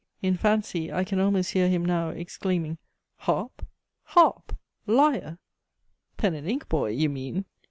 In fancy I can almost hear him now, exclaiming "Harp? Harp? Lyre? Pen and ink, boy, you mean!